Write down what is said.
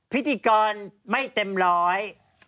พิธีกรไม่เต็มร้อย